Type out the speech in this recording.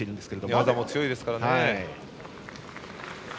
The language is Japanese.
寝技も強いですからね。